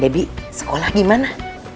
debbie sekolah gimana